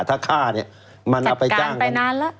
ถ้าฆ่าเนี่ยมันเอาไปจ้างไปนานแล้ว